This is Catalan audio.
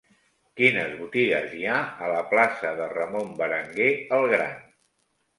Quines botigues hi ha a la plaça de Ramon Berenguer el Gran?